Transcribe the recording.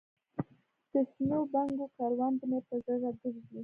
دشنو بنګو کروندې مې په زړه ګرځي